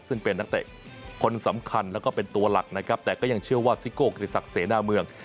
ซึ่งเป็นนักเตะคนสำคัญแล้วก็เป็นตัวหลักนะครับแต่ก็ยังเชื่อว่าซิโก้กิติศักดิ์เสนาเมือง